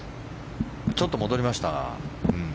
ちょっと戻りました。